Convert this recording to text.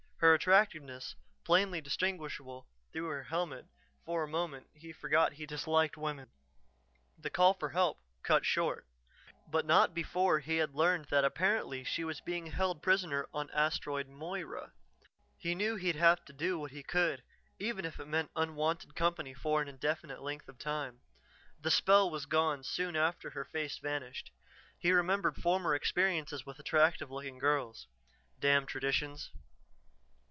Her attractiveness plainly distinguishable through her helmet; for a moment he forgot that he disliked women. The call for help, cut short ... but not before he had learned that apparently she was being held prisoner on Asteroid Moira. He knew he'd have to do what he could even if it meant unwonted company for an indefinite length of time. The spell was gone soon after her face vanished; he remembered former experiences with attractive looking girls. Damn traditions!